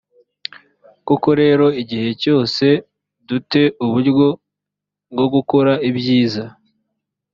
koko rero igihe cyose du te uburyo bwo gukora ibyiza